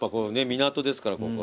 港ですからここは。